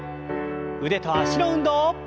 腕と脚の運動。